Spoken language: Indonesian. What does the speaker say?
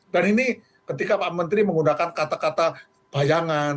dan ini ketika pak menteri menggunakan kata kata bayangan